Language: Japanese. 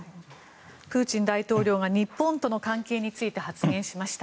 プーチン大統領が日本との関係について発言しました。